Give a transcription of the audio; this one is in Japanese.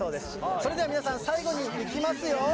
それでは皆さん、最後にいきますよ。